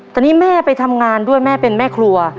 ตอนนี้แม่ไปทำงานด้วยแม่เป็นแม่ครัว